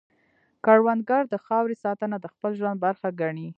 کروندګر د خاورې ساتنه د خپل ژوند برخه ګڼي